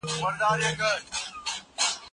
تاسو د سابو په خوړلو بوخت یاست.